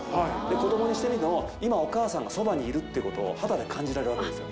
子どもにしてみても、今、お母さんがそばにいるってことを肌で感じられるんですよ。